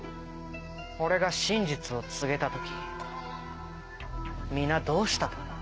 俺が真実を告げた時皆どうしたと思う？